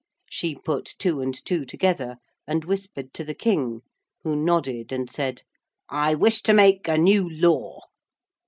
She put two and two together, and whispered to the King, who nodded and said: 'I wish to make a new law.'